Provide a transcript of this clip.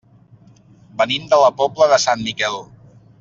Venim de la Pobla de Sant Miquel.